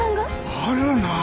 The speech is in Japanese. あるな。